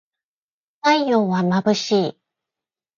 太陽はまぶしい